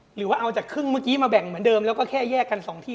หรือว่าเอาจากครึ่งเมื่อกี้มาแบ่งเหมือนเดิมแล้วก็แค่แยกกัน๒ที่